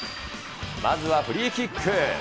まずはフリーキック。